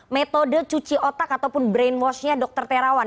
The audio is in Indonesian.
metode cuci otak ataupun brainwash nya dr terawan